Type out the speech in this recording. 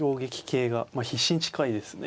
必至に近いですね。